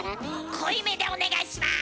濃いめでお願いします！